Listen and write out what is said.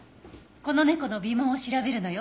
この猫の鼻紋を調べるのよ。